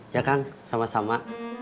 ya kan sama sama